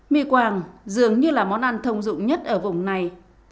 mì quảng dường như là món ăn thông dụng nhất ở vùng này